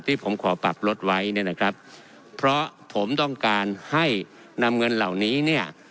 ที่ผมขอปรับลดไว้เนี่ยนะครับเพราะผมต้องการให้นำเงินเหล่านี้เนี่ย